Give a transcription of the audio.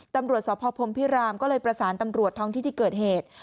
ตำรวจสพพรมพิรามก็เลยประสานตำรวจท้องที่ที่เกิดเหตุ